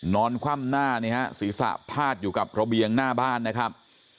คว่ำหน้านี่ฮะศีรษะพาดอยู่กับระเบียงหน้าบ้านนะครับ